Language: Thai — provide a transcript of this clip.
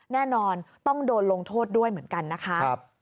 แน่นอนต้องโดนลงโทษด้วยเหมือนกันนะคะ